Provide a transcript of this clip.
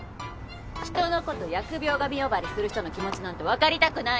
人の事疫病神呼ばわりする人の気持ちなんて分かりたくない！